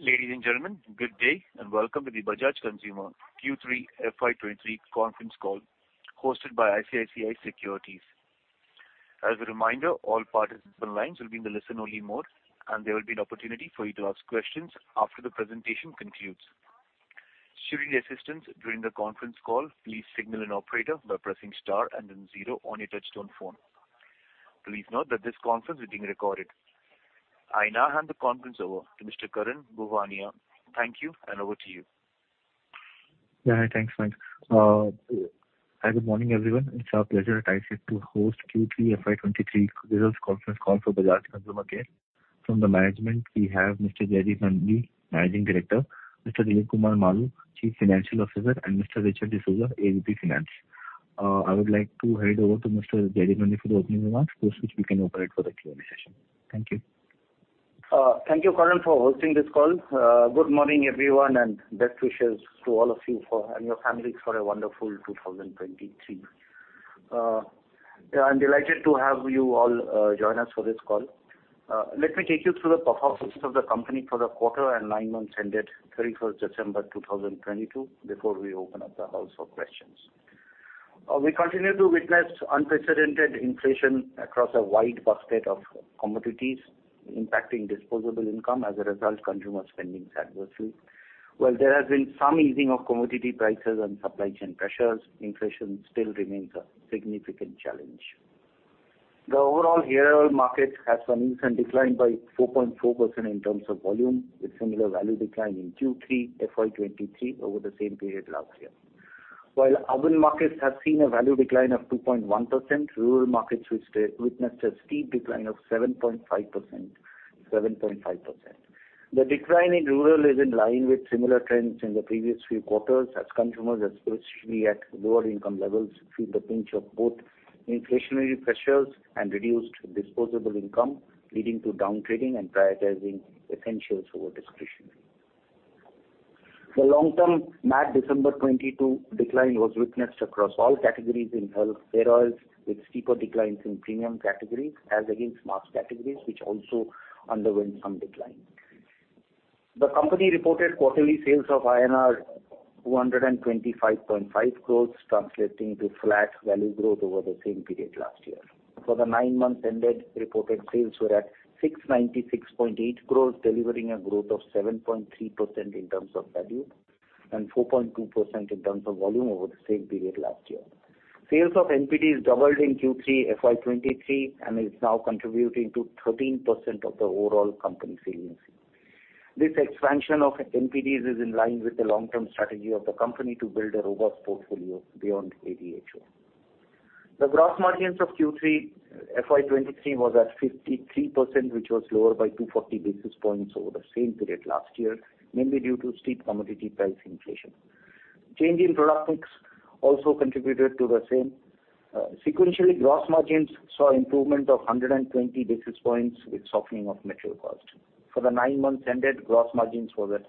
Ladies and gentlemen, good day and welcome to the Bajaj Consumer Q3 FY23 conference call hosted by ICICI Securities. As a reminder, all participants and lines will be in the listen-only mode. There will be an opportunity for you to ask questions after the presentation concludes. Should you need assistance during the conference call, please signal an operator by pressing star and then 0 on your touch-tone phone. Please note that this conference is being recorded. I now hand the conference over to Mr. Karan Bhuwania. Thank you. Over to you. Thanks, Mike. Good morning, everyone. It's our pleasure at ICICI to host Q3 FY23 results conference call for Bajaj Consumer Care. From the management, we have Mr. Jaideep Nandi, Managing Director, Mr. Dilip Kumar Maloo, Chief Financial Officer, and Mr. Richard D'Souza, AVP Finance. I would like to hand over to Mr. Jaideep Nandi for the opening remarks, post which we can operate for the Q&A session. Thank you. Thank you, Karan, for hosting this call. Good morning, everyone, and best wishes to all of you for, and your families for a wonderful 2023. I'm delighted to have you all join us for this call. Let me take you through the performances of the company for the quarter and 9 months ended 31st December 2022 before we open up the house for questions. We continue to witness unprecedented inflation across a wide basket of commodities impacting disposable income. As a result, consumer spending is adversely. While there has been some easing of commodity prices and supply chain pressures, inflation still remains a significant challenge. The overall hair oil market has some instant decline by 4.4% in terms of volume, with similar value decline in Q3 FY23 over the same period last year. While urban markets have seen a value decline of 2.1%, rural markets witnessed a steep decline of 7.5%. The decline in rural is in line with similar trends in the previous few quarters, as consumers, especially at lower income levels, feel the pinch of both inflationary pressures and reduced disposable income, leading to down trading and prioritizing essentials over discretionary. The long-term March-December 2022 decline was witnessed across all categories in health hair oils, with steeper declines in premium categories as against mass categories, which also underwent some decline. The company reported quarterly sales of INR 225.5 crores, translating to flat value growth over the same period last year. For the nine months ended, reported sales were at 696.8 crore, delivering a growth of 7.3% in terms of value and 4.2% in terms of volume over the same period last year. Sales of NPDs doubled in Q3 FY23 and is now contributing to 13% of the overall company sales. This expansion of NPDs is in line with the long-term strategy of the company to build a robust portfolio beyond ADHO. The gross margins of Q3 FY23 was at 53%, which was lower by 240 basis points over the same period last year, mainly due to steep commodity price inflation. Change in product mix also contributed to the same. Sequentially, gross margins saw improvement of 120 basis points with softening of material cost. For the nine months ended, gross margins was at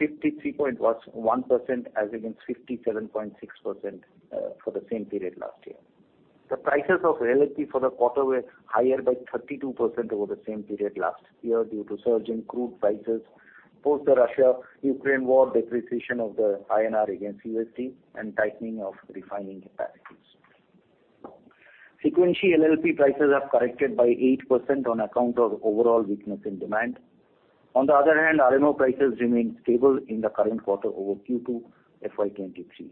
53.1% as against 57.6% for the same period last year. The prices of LLP for the quarter were higher by 32% over the same period last year due to surge in crude prices, post the Russia-Ukraine war depreciation of the INR against USD and tightening of refining capacities. Sequentially, LLP prices have corrected by 8% on account of overall weakness in demand. RNO prices remain stable in the current quarter over Q2 FY23.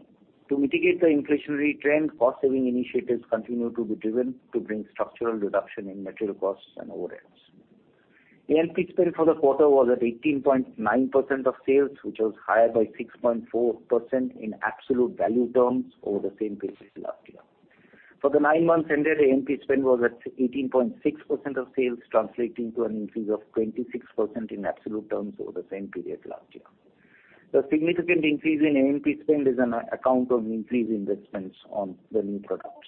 To mitigate the inflationary trend, cost-saving initiatives continue to be driven to bring structural reduction in material costs and overheads. A&P spend for the quarter was at 18.9% of sales, which was higher by 6.4% in absolute value terms over the same period last year. For the nine months ended, A&P spend was at 18.6% of sales, translating to an increase of 26% in absolute terms over the same period last year. The significant increase in A&P spend is on account of increased investments on the new products.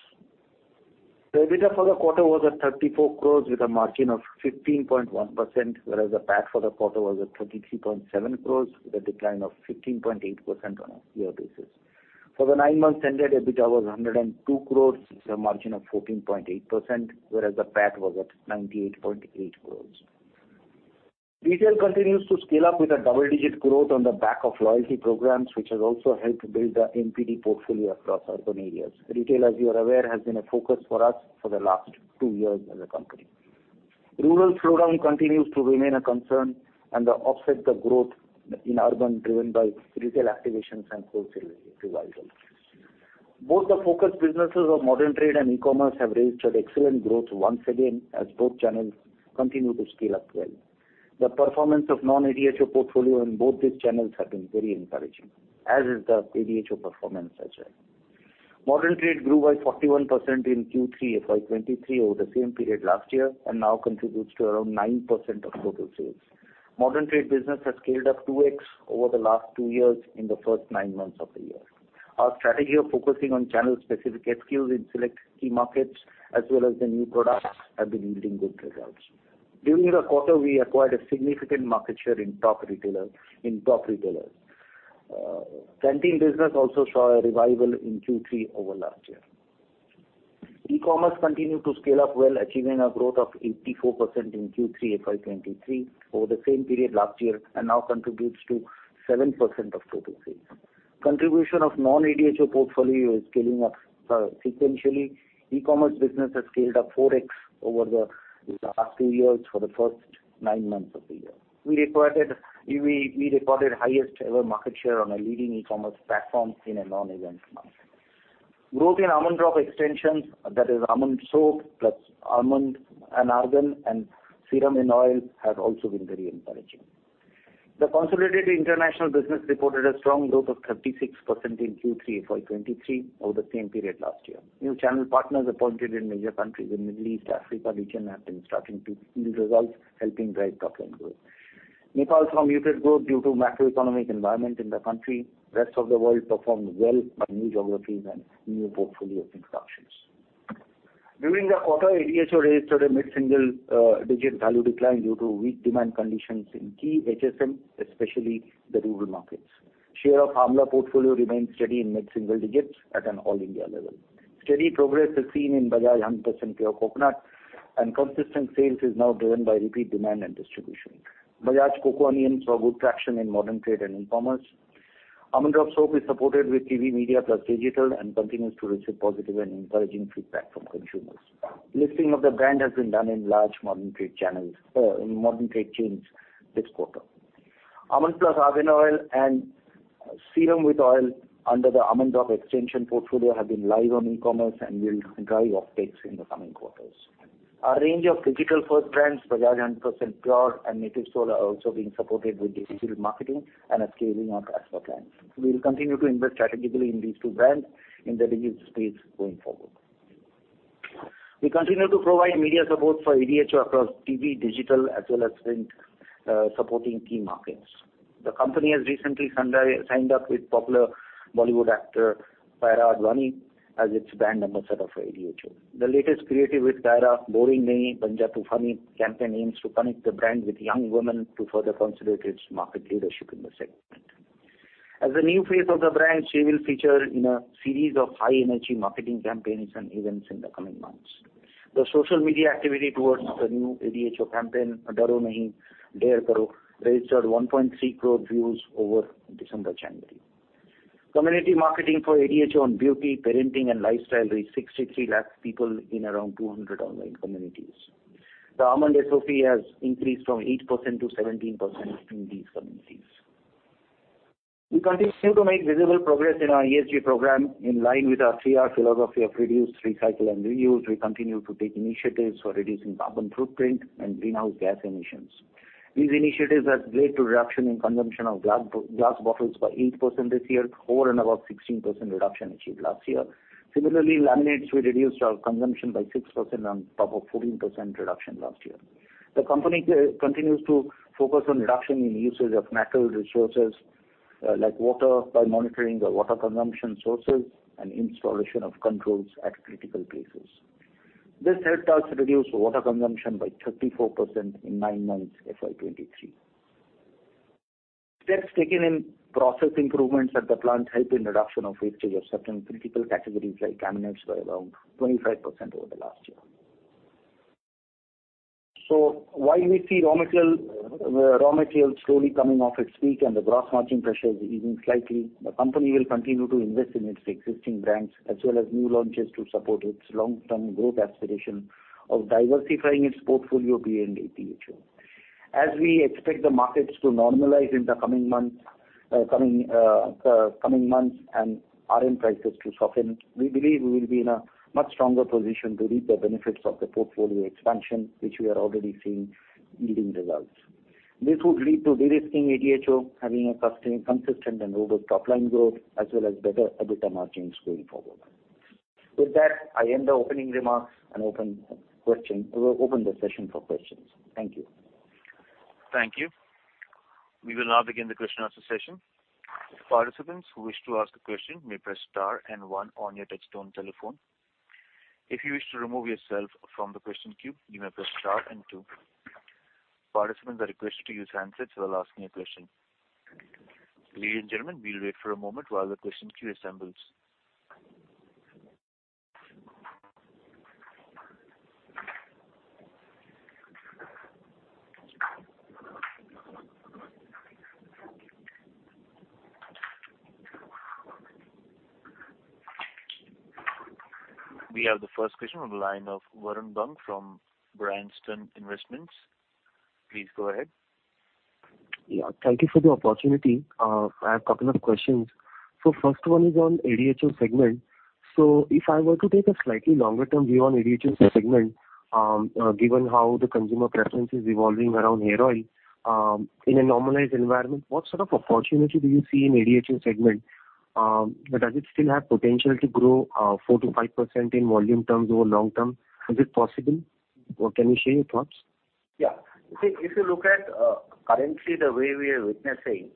The EBITDA for the quarter was at 34 crores with a margin of 15.1%, whereas the PAT for the quarter was at 33.7 crores with a decline of 15.8% on a year basis. For the nine months ended, EBITDA was 102 crores with a margin of 14.8%, whereas the PAT was at 98.8 crores. Retail continues to scale up with a double-digit growth on the back of loyalty programs, which has also helped build the NPD portfolio across urban areas. Retail, as you are aware, has been a focus for us for the last two years as a company. Rural slowdown continues to remain a concern and offset the growth in urban, driven by retail activations and cold revival. Both the focus businesses of modern trade and e-commerce have registered excellent growth once again, as both channels continue to scale up well. The performance of non-ADHO portfolio in both these channels have been very encouraging, as is the ADHO performance as well. Modern trade grew by 41% in Q3 FY23 over the same period last year and now contributes to around 9% of total sales. Modern trade business has scaled up 2x over the last two years in the first nine months of the year. Our strategy of focusing on channel-specific SKUs in select key markets as well as the new products have been yielding good results. During the quarter, we acquired a significant market share in top retailers. Canteen business also saw a revival in Q3 over last year. E-commerce continued to scale up well, achieving a growth of 84% in Q3 FY23 over the same period last year, and now contributes to 7% of total sales. Contribution of non-ADHO portfolio is scaling up sequentially. E-commerce business has scaled up 4x over the last two years for the first nine months of the year. We recorded highest ever market share on a leading e-commerce platform in a non-event month. Growth in Almond Drops extensions, that is Almond Drops soap plus Almond and Argan and Serum Oil, has also been very encouraging. The consolidated international business reported a strong growth of 36% in Q3 FY23 over the same period last year. New channel partners appointed in major countries in Middle East, Africa region have been starting to yield results, helping drive top line growth. Nepal saw muted growth due to macroeconomic environment in the country. Rest of the world performed well by new geographies and new portfolio introductions. During the quarter, ADHO registered a mid-single digit value decline due to weak demand conditions in key HSM, especially the rural markets. Share of Amla portfolio remains steady in mid-single digits at an all India level. Steady progress is seen in Bajaj 100% Pure Coconut, and consistent sales is now driven by repeat demand and distribution. Bajaj Coco Onion saw good traction in modern trade and in commerce. Almond Drops soap is supported with TV media plus digital, and continues to receive positive and encouraging feedback from consumers. Listing of the brand has been done in large modern trade channels, in modern trade chains this quarter. Almond + Argan Hair Oil and serum with oil under the Almond Drops extension portfolio have been live on e-commerce and will drive off takes in the coming quarters. Our range of digital first brands, Bajaj 100% Pure and Natyv Soul are also being supported with digital marketing and are scaling our customer plans. We'll continue to invest strategically in these two brands in the digital space going forward. We continue to provide media support for ADHO across TV, digital as well as print, supporting key markets. The company has recently signed up with popular Bollywood actor Kiara Advani as its brand ambassador for ADHO. The latest creative with Tara Boring Nahi, Ban Ja Toofani campaign aims to connect the brand with young women to further consolidate its market leadership in the segment. As a new face of the brand, she will feature in a series of high energy marketing campaigns and events in the coming months. The social media activity towards the new ADHO campaign, Daro Nahi Dare Karo, registered 1.3 crore views over December, January. Community marketing for ADHO on beauty, parenting and lifestyle reached 63 lakh people in around 200 online communities. The Almond SOP has increased from 8% to 17% in these communities. We continue to make visible progress in our ESG program. In line with our three R philosophy of reduce, recycle and reuse, we continue to take initiatives for reducing carbon footprint and greenhouse gas emissions. These initiatives have led to reduction in consumption of glass bottles by 8% this year, over and above 16% reduction achieved last year. Similarly, laminates, we reduced our consumption by 6% on top of 14% reduction last year. The company continues to focus on reduction in usage of natural resources, like water by monitoring the water consumption sources and installation of controls at critical places. This helped us reduce water consumption by 34% in 9 months FY23. Steps taken in process improvements at the plant helped in reduction of wastage of certain critical categories like laminates by around 25% over the last year. While we see raw material slowly coming off its peak and the gross margin pressure is easing slightly, the company will continue to invest in its existing brands as well as new launches to support its long-term growth aspiration of diversifying its portfolio beyond ADHO. As we expect the markets to normalize in the coming months and RM prices to soften, we believe we will be in a much stronger position to reap the benefits of the portfolio expansion, which we are already seeing yielding results. This would lead to de-risking ADHO, having a consistent and robust top line growth as well as better EBITDA margins going forward. With that, I end the opening remarks and open the session for questions. Thank you. Thank you. We will now begin the question-answer session. Participants who wish to ask a question may press star and one on your touch-tone telephone. If you wish to remove yourself from the question queue, you may press star and two. Participants are requested to use handsets while asking a question. Ladies and gentlemen, we'll wait for a moment while the question queue assembles. We have the first question on the line of Varun Bang from Bryanston Investments. Please go ahead. Thank you for the opportunity. I have couple of questions. First one is on ADHO segment. If I were to take a slightly longer term view on ADHO segment, given how the consumer preference is evolving around hair oil, in a normalized environment, what sort of opportunity do you see in ADHO segment? Does it still have potential to grow 4%-5% in volume terms over long term? Is it possible? Can you share your thoughts? If you look at, currently the way we are witnessing,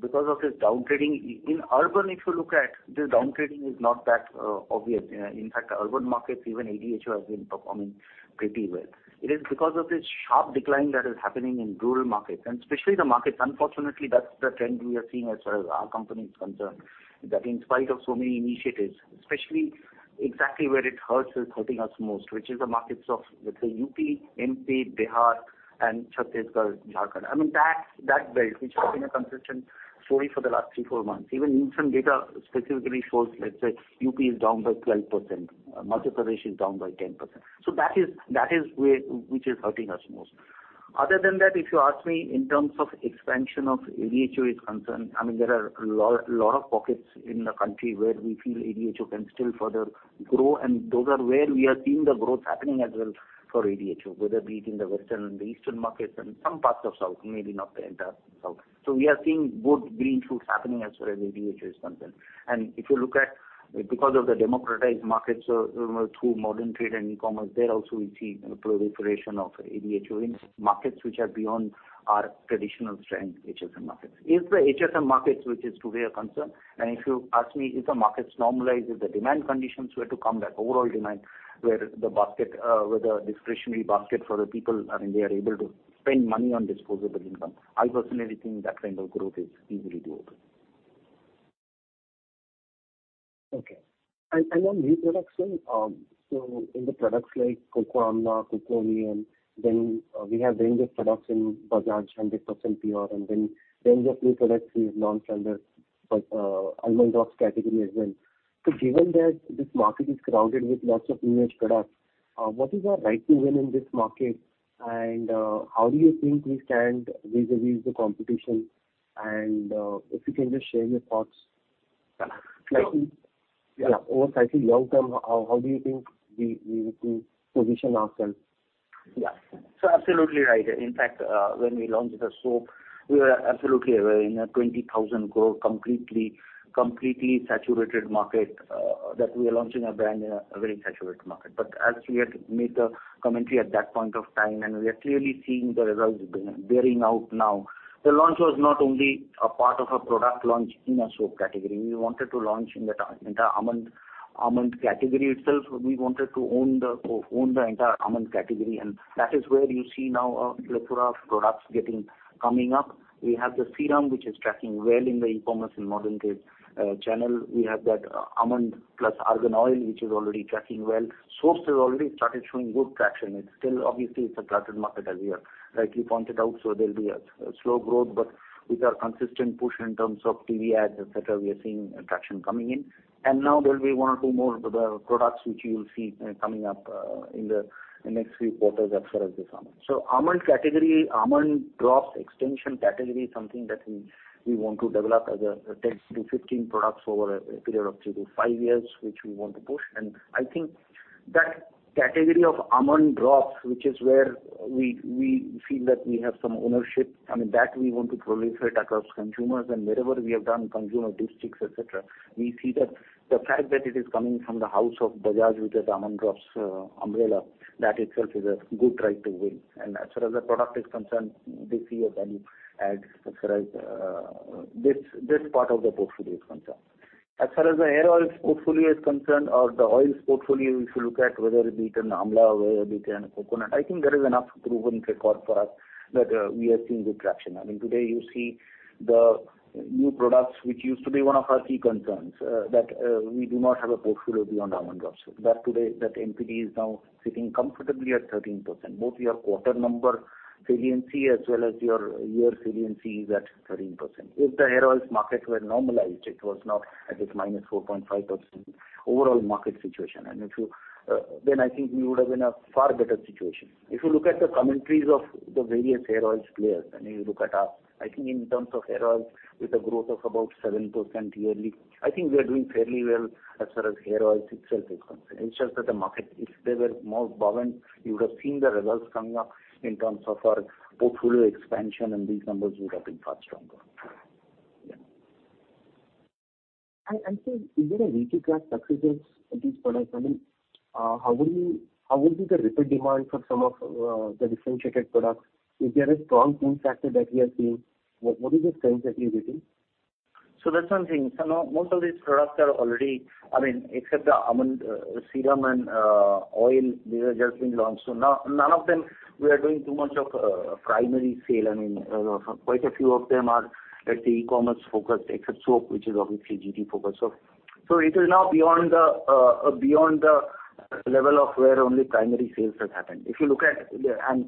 because of this down-trading, in urban if you look at, the down-trading is not that obvious. In fact, urban markets, even ADHO has been performing pretty well. It is because of this sharp decline that is happening in rural markets, and especially the markets. Unfortunately, that's the trend we are seeing as far as our company is concerned, that in spite of so many initiatives, especially exactly where it hurts is hurting us most, which is the markets of, let's say UP, MP, Bihar and Chhattisgarh, Jharkhand. I mean that belt which has been a consistent story for the last three, four months. Even Nielsen data specifically shows, let's say, UP is down by 12%, Madhya Pradesh is down by 10%. That is where which is hurting us most. Other than that, if you ask me in terms of expansion of ADHO is concerned, I mean, there are a lot of pockets in the country where we feel ADHO can still further grow, and those are where we are seeing the growth happening as well for ADHO, whether it be in the western and the eastern markets and some parts of South, maybe not the entire South. We are seeing good green shoots happening as far as ADHO is concerned. If you look at, because of the democratized markets, through modern trade and e-commerce, there also we see a proliferation of ADHO in markets which are beyond our traditional strength HSM markets. If the HSM markets, which is today a concern, and if you ask me, if the markets normalize, if the demand conditions were to come back, overall demand, where the discretionary basket for the people, I mean, they are able to spend money on disposable income. I personally think that kind of growth is easily doable. Okay. On new products, in the products like Coco Amla, Coco Neem, we have range of products in Bajaj 100% Pure, and then range of new products in non-standard, Almond Drops category as well. Given that this market is crowded with lots of new age products, what is our right to win in this market and how do you think we stand vis-a-vis the competition? If you can just share your thoughts. Yeah. Slightly. Yeah. Over slightly long term, how do you think we could position ourselves? Absolutely right. In fact, when we launched the soap, we were absolutely aware in a 20,000 crore completely saturated market, that we are launching a brand in a very saturated market. As we had made the commentary at that point of time, and we are clearly seeing the results bearing out now, the launch was not only a part of a product launch in a soap category. We wanted to launch in the entire Almond category itself. We wanted to own the entire Almond category, and that is where you see now a plethora of products getting coming up. We have the serum, which is tracking well in the e-commerce and modern trade channel. We have that Almond + Argan Hair Oil, which is already tracking well. soap has already started showing good traction. It's still obviously it's a cluttered market as we are rightly pointed out, so there'll be a slow growth. With our consistent push in terms of TV ads, et cetera, we are seeing traction coming in. Now there'll be one or two more products which you will see coming up in the next few quarters as far as this Almond. Almond category, Almond Drops extension category is something that we want to develop as a 10-15 products over a period of 3-5 years, which we want to push. I think that category of Almond Drops, which is where we feel that we have some ownership. I mean, that we want to proliferate across consumers. Wherever we have done consumer districts, et cetera, we see that the fact that it is coming from the house of Bajaj, which is Almond Drops umbrella, that itself is a good right to win. As far as the product is concerned, we see a value add as far as this part of the portfolio is concerned. As far as the hair oils portfolio is concerned or the oils portfolio, if you look at whether it be an Amla or it be an coconut, I think there is enough proven record for us that we are seeing good traction. I mean, today you see the new products, which used to be one of our key concerns, that we do not have a portfolio beyond Almond Drops. Today, that NPD is now sitting comfortably at 13%. Both your quarter number saliency as well as your year saliency is at 13%. If the hair oils market were normalized, it was not at this -4.5% overall market situation. If you, then I think we would have been a far better situation. If you look at the commentaries of the various hair oils players, and you look at us, I think in terms of hair oils with a growth of about 7% yearly, I think we are doing fairly well as far as hair oils itself is concerned. It's just that the market, if they were more buoyant, you would have seen the results coming up in terms of our portfolio expansion, and these numbers would have been far stronger. Yeah. Is there a leaky graph successes in these products? I mean, how will be the repeat demand for some of the differentiated products? Is there a strong pull factor that we are seeing? What is the sense that you're getting? That's one thing. Now most of these products are already, I mean, except the almond serum and oil, these are just been launched. None of them we are doing too much of primary sale. I mean, quite a few of them are, let's say, e-commerce focused, except soap, which is obviously GT focused. It is now beyond the beyond the level of where only primary sales has happened.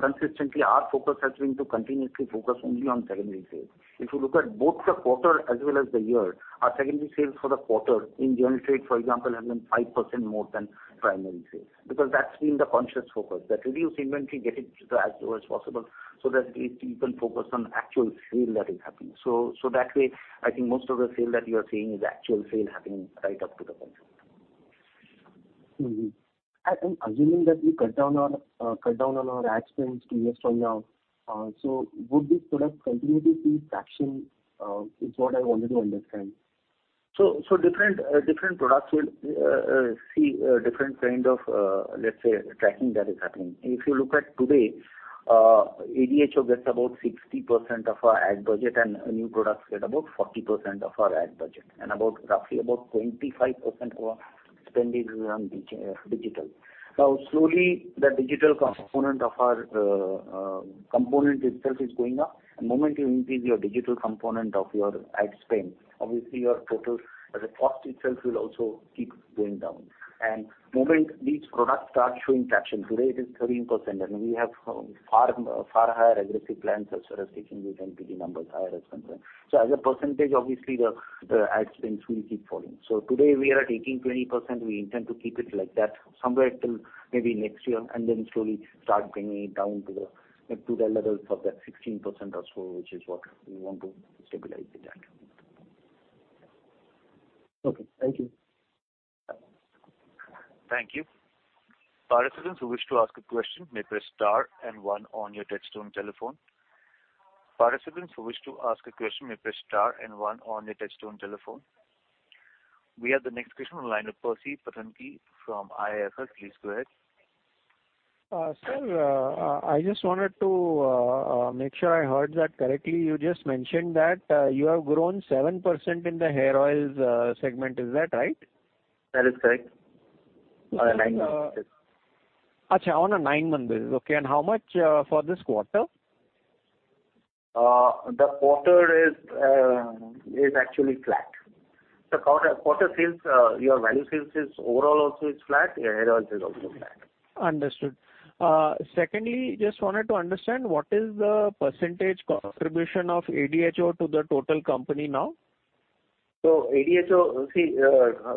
Consistently, our focus has been to continuously focus only on secondary sales. If you look at both the quarter as well as the year, our secondary sales for the quarter in general trade, for example, have been 5% more than primary sales because that's been the conscious focus. That reduce inventory, get it to the as low as possible so that it, you can focus on actual sale that is happening. That way, I think most of the sale that you are seeing is actual sale happening right up to the consumer. I am assuming that we cut down on our ad spends two years from now. Would these products continue to see traction? Is what I wanted to understand. Different products will see different kind of, let's say tracking that is happening. If you look at today, ADHO gets about 60% of our ad budget, and new products get about 40% of our ad budget, and about roughly about 25% of our spend is on digital. Slowly the digital component of our component itself is going up. The moment you increase your digital component of your ad spend, obviously your total the cost itself will also keep going down. Moment these products start showing traction, today it is 13%, and we have far higher aggressive plans as far as taking these NPD numbers higher as concerned. As a percentage obviously the ad spends will keep falling. Today we are at 18%-20%. We intend to keep it like that somewhere till maybe next year, and then slowly start bringing it down to the levels of that 16% or so, which is what we want to stabilize it at. Okay. Thank you. Thank you. Participants who wish to ask a question may press star and one on your touchtone telephone. We have the next question on the line of Percy Panthaki from IIFL. Please go ahead. Sir, I just wanted to make sure I heard that correctly. You just mentioned that you have grown 7% in the hair oils segment. Is that right? That is correct. Nine months, yes. Okay. On a 9 months, okay. How much for this quarter? The quarter is actually flat. The quarter sales, your value sales is overall also is flat. Hair oils is also flat. Understood. Secondly, just wanted to understand what is the % contribution of ADHO to the total company now? ADHO, see,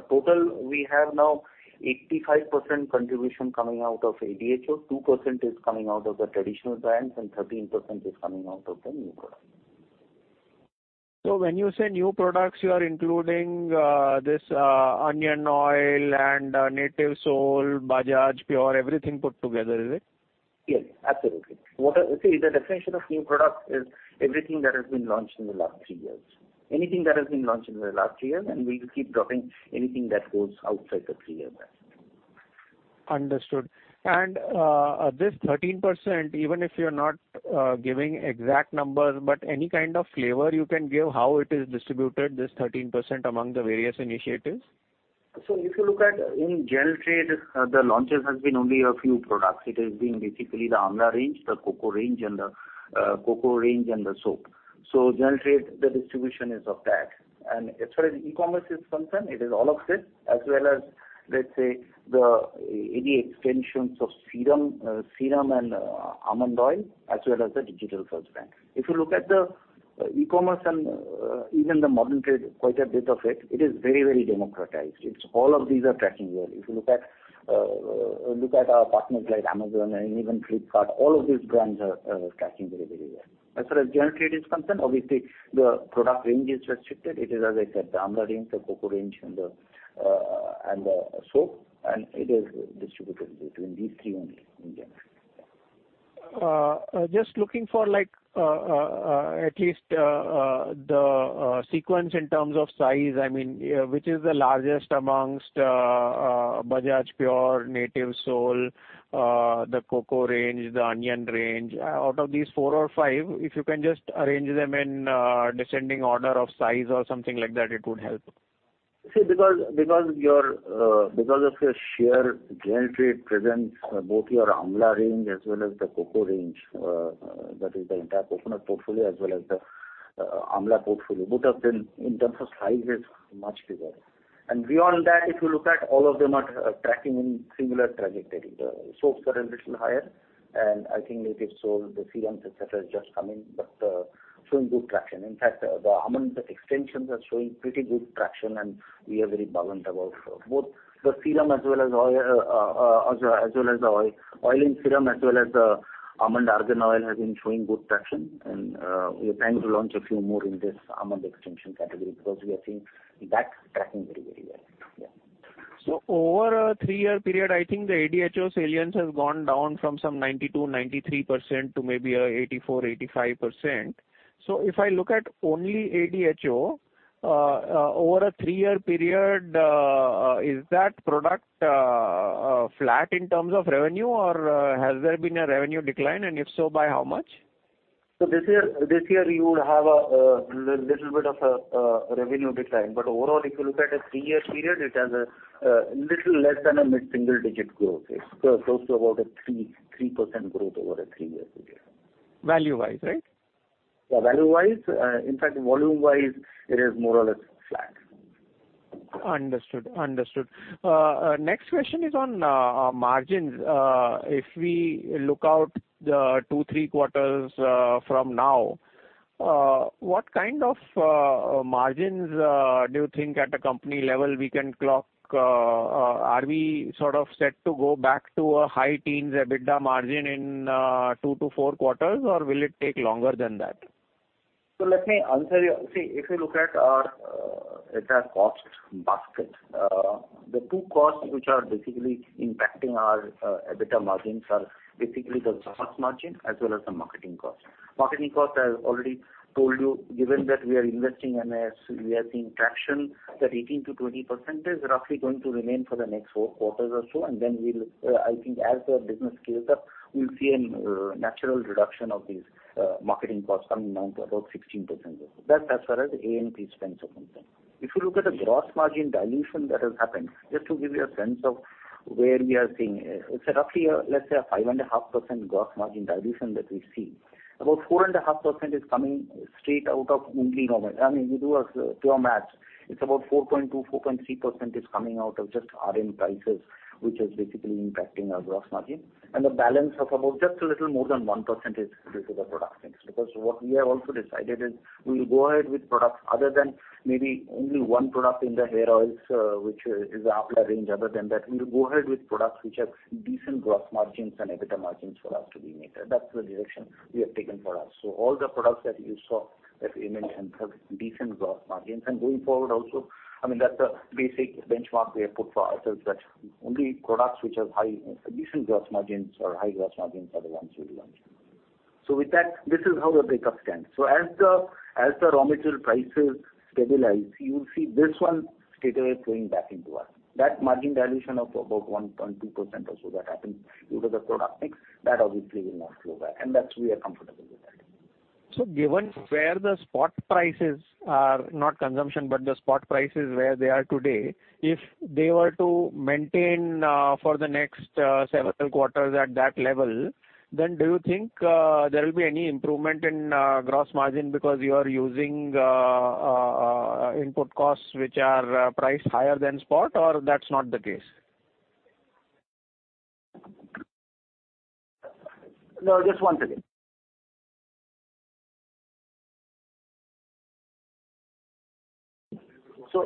total we have now 85% contribution coming out of ADHO, 2% is coming out of the traditional brands, and 13% is coming out of the new products. When you say new products, you are including this onion oil and Natyv Soul, Bajaj Pure, everything put together, is it? Yes, absolutely. What. See, the definition of new products is everything that has been launched in the last 3 years. Anything that has been launched in the last 3 years. We'll keep dropping anything that goes outside the 3-year mark. Understood. This 13%, even if you're not, giving exact numbers, but any kind of flavor you can give how it is distributed, this 13% among the various initiatives? If you look at in General Trade, the launches has been only a few products. It has been basically the Amla range, the Coconut range, and the Coconut range and the soap. General Trade, the distribution is of that. As far as e-commerce is concerned, it is all of this as well as, let's say, the any extensions of serum and almond oil as well as the digital first brands. If you look at the e-commerce and even the modern trade, quite a bit of it is very, very democratized. It's all of these are tracking well. If you look at look at our partners like Amazon and even Flipkart, all of these brands are tracking very, very well. As far as General Trade is concerned, obviously the product range is restricted. It is, as I said, the Amla range, the Coconut range and the soap, and it is distributed between these three only in general. Just looking for like, at least, the sequence in terms of size. I mean, which is the largest amongst Bajaj Pure, Natyv Soul, the Coconut range, the onion range. Out of these four or five, if you can just arrange them in descending order of size or something like that, it would help. See, because your, because of your sheer general trade presence, both your Amla range as well as the Coconut range, that is the entire Coconut portfolio as well as the Amla portfolio, both have been in terms of size is much bigger. Beyond that, if you look at all of them are tracking in similar trajectory. The soaps are a little higher, and I think Natyv Soul, the serums, et cetera, are just coming, but showing good traction. In fact, the almond-based extensions are showing pretty good traction, and we are very buoyant about both the serum as well as oil, as well as the oil. Oil and Serum Oil as well as the Almond Argan Oil has been showing good traction. We're planning to launch a few more in this Almond extension category because we are seeing that tracking very, very well. Yeah. Over a three-year period, I think the ADHO salience has gone down from some 92%, 93% to maybe 84%, 85%. If I look at only ADHO over a three-year period, is that product flat in terms of revenue, or has there been a revenue decline, and if so, by how much? This year you would have a little bit of a revenue decline. Overall, if you look at a 3-year period, it has a little less than a mid-single digit growth rate. Close to about a 3% growth over a 3-year period. Value-wise, right? Yeah, value-wise. In fact, volume-wise it is more or less flat. Understood. Understood. Next question is on margins. If we look out 2, 3 quarters from now, what kind of margins do you think at a company level we can clock? Are we sort of set to go back to a high teens EBITDA margin in 2 to 4 quarters, or will it take longer than that? Let me answer you. If you look at our entire cost structureBasket. The two costs which are basically impacting our EBITDA margins are basically the gross margin as well as the marketing cost. Marketing cost, I already told you, given that we are investing and as we are seeing traction, that 18%-20% is roughly going to remain for the next 4 quarters or so, and then we'll I think as the business scales up, we'll see a natural reduction of these marketing costs coming down to about 16% or so. That's as far as A&P spends are concerned. If you look at the gross margin dilution that has happened, just to give you a sense of where we are seeing, it's roughly, let's say a 5.5% gross margin dilution that we see. About 4.5% is coming straight out of.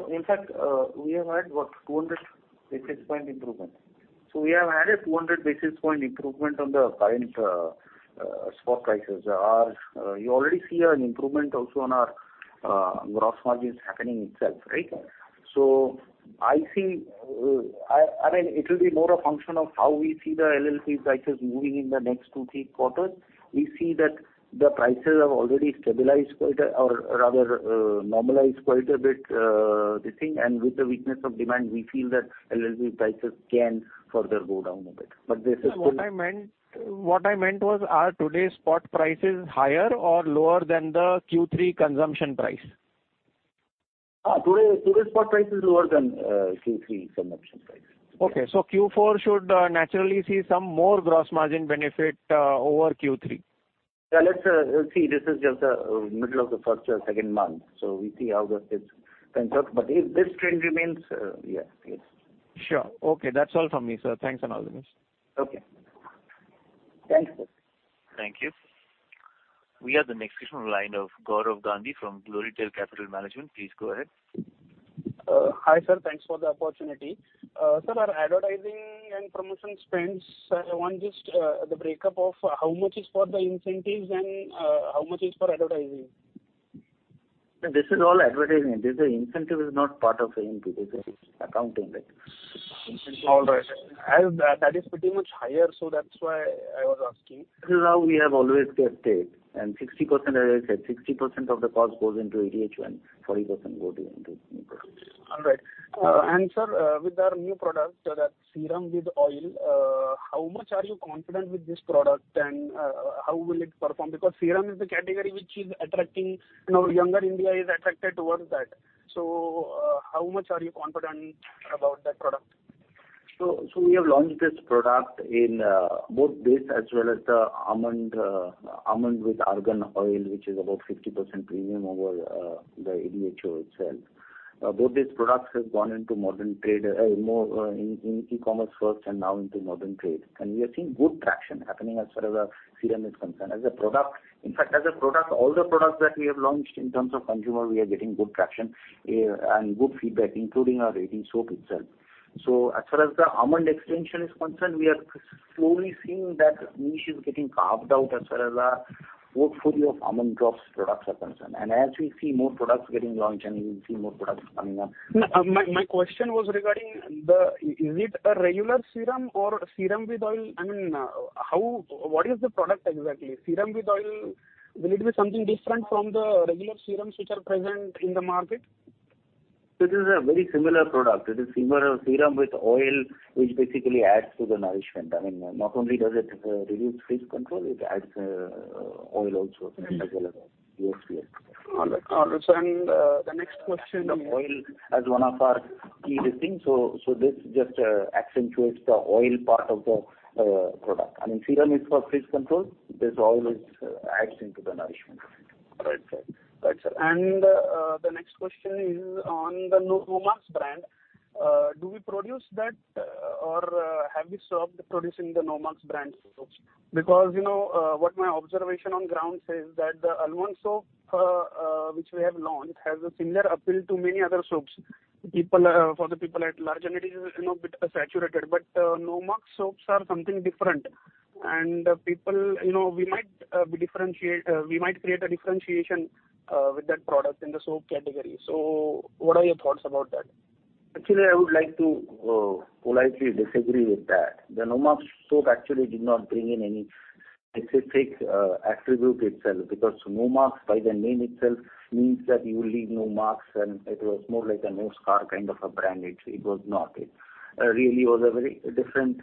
In fact, we have had about 200 basis point improvement. We have had a 200 basis point improvement on the current spot prices. You already see an improvement also on our gross margins happening itself, right? I think, I mean, it will be more a function of how we see the LLP prices moving in the next 2, 3 quarters. We see that the prices have already stabilized or rather, normalized quite a bit, this thing. With the weakness of demand, we feel that LLP prices can further go down a bit. What I meant was are today's spot prices higher or lower than the Q3 consumption price? Today's spot price is lower than Q3 consumption price. Okay. Q4 should naturally see some more gross margin benefit over Q3. Yeah, let's we'll see. This is just the middle of the first or second month, so we see how this pans out. If this trend remains, yeah, it is. Sure. Okay, that's all from me, sir. Thanks and all the best. Okay. Thanks sir. Thank you. We have the next question on line of Gaurav Gandhi from Glorytail Capital Management. Please go ahead. Hi sir. Thanks for the opportunity. Sir, our advertising and promotion spends, I want just the breakup of how much is for the incentives and how much is for advertising. This is all advertising. This is the incentive is not part of A&P. This is accounting, right? All right. That is pretty much higher, so that's why I was asking. This is how we have always kept it. 60%, as I said, 60% of the cost goes into ADH and 40% go into new products. All right. Sir, with our new product, that serum with oil, how much are you confident with this product and how will it perform? Because serum is the category which is attracting, you know, younger India is attracted towards that. How much are you confident about that product? We have launched this product in both base as well as the Almond with Argan Oil, which is about 50% premium over the ADHO itself. Both these products have gone into modern trade, more in e-commerce first and now into modern trade. We are seeing good traction happening as far as our serum is concerned. In fact, as a product, all the products that we have launched in terms of consumer, we are getting good traction and good feedback, including our rating soap itself. As far as the Almond extension is concerned, we are slowly seeing that niche is getting carved out as far as our portfolio of Almond Drops products are concerned. As we see more products getting launched, and we will see more products coming up. No, my question was regarding the. Is it a regular serum or serum with oil? I mean, how. What is the product exactly? Serum with oil, will it be something different from the regular serums which are present in the market? This is a very similar product. It is similar serum with oil, which basically adds to the nourishment. I mean, not only does it reduce frizz control, it adds oil also as well as UFO. All right. All right. The next question- Oil as one of our key listings, this just accentuates the oil part of the product. I mean, serum is for frizz control. This oil adds into the nourishment. All right, sir. Right, sir. The next question is on the Nomax brand. Do we produce that or have you stopped producing the Nomax brand soaps? You know, what my observation on ground says that the Alwan soap which we have launched, has a similar appeal to many other soaps. People for the people at large and it is, you know, bit saturated, Nomax soaps are something different. People, you know, we might create a differentiation with that product in the soap category. What are your thoughts about that? I would like to politely disagree with that. The Nomax soap actually did not bring in any specific attribute itself, because Nomax by the name itself means that you leave no marks, and it was more like a nose scar kind of a brand. It was not. It really was a very different